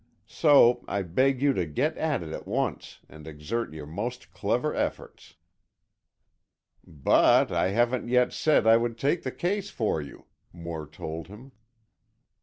So, I beg you to get at it at once and exert your most clever efforts." "But I haven't yet said I would take the case for you," Moore told him.